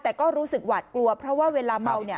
แต่ก็รู้สึกหวาดกลัวเพราะว่าเวลาเมาเนี่ย